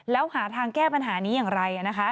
แล้วหาทางแก้ปัญหานี้อย่างไรนะคะ